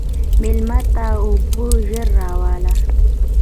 مېلمه ته اوبه ژر راوله.